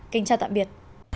kính chào tạm biệt